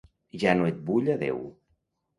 Ja no et vull adeu.